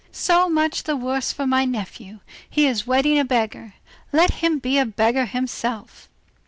"So much the worse for my nephew! he is wedding a beggar, let him be a beggar himself!"